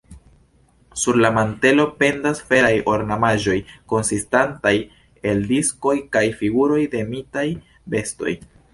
Sur la mantelo pendas feraj ornamaĵoj konsistantaj el diskoj kaj figuroj de mitaj bestoj.